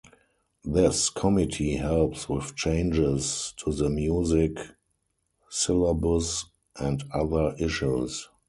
This committee helps with changes to the music syllabus and other issues.